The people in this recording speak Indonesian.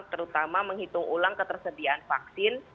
terutama menghitung ulang ketersediaan vaksin